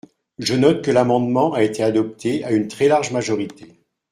Je note que l’amendement a été adopté à une très large majorité.